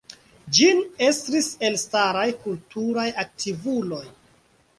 Ĝin estris elstaraj kulturaj aktivuloj.